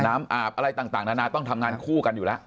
อาบอะไรต่างนานาต้องทำงานคู่กันอยู่แล้ว